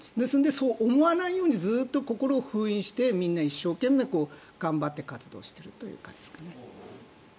そう思わないようにずっと心を封印してみんな一生懸命頑張って活動しているという感じですね。